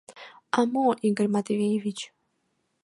— А мо, Игорь Матвеевич?